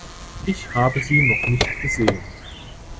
Ich habe sie noch nicht gesehen.